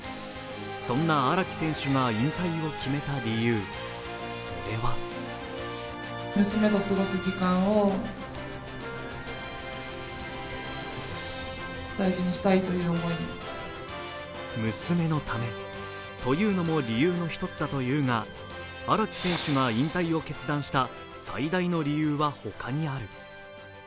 そんな荒木選手が引退を決めた理由、それは娘のためというのも理由の１つだというが、荒木選手が引退を決断した最大の理由は他にある。